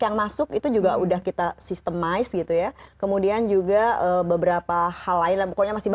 yang masuk itu juga udah kita sistemize gitu ya kemudian juga beberapa hal lain pokoknya masih